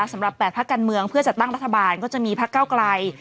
สำหรับ๘พักการเมืองเพื่อจัดตั้งรัฐบาลก็จะมีพักเก้าไกล